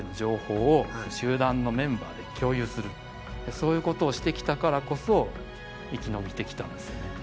そういうことをしてきたからこそ生き延びてきたんですよね。